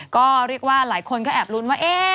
ก็เรียกว่าหลายคนก็แอบลุ้นว่า